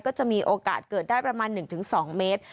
ก็จะมีโอกาสเกิดได้ประมาณหนึ่งถึงสองเมตร